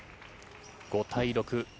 ５対６。